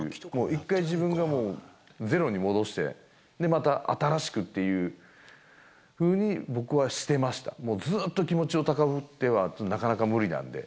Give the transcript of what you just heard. １回自分がもう、ゼロに戻して、また新しくっていうふうに、僕はしてました、もうずっと気持ちを高ぶっては、なかなか無理なんで。